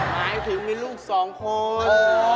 หมายถึงมีลูก๒คน